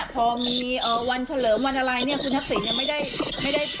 พอมีวันเฉลิมวันอะไรคุณทักษิย์ไม่ได้